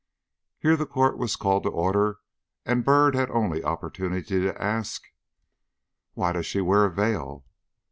Here the court was called to order and Byrd had only opportunity to ask: "Why does she wear a veil?"